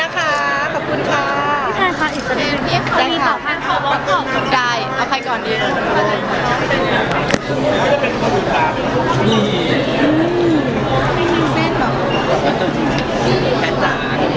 ขอบคุณนะคะขอบคุณค่ะ